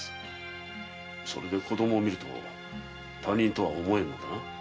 それで子供を見ると他人とは思えぬのだな？